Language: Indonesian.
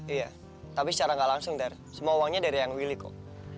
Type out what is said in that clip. iya tapi secara gak langsung dar semua uangnya dari yang willy kok